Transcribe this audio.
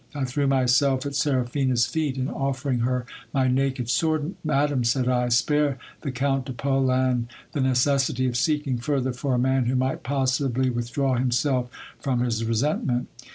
I threw myself at Seraphina's feet, and offering her my naked sword, Madam, said I, spare the Count de Polan the necessity of seeking fur ther for a man who might possibly withdraw himself from his resentment.